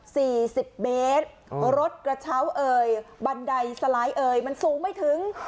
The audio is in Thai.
สิบเมตรรถกระเช้าเอ่ยบันไดสไลด์เอ่ยมันสูงไม่ถึง